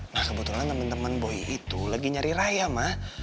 nah kebetulan teman teman boy itu lagi nyari raya ma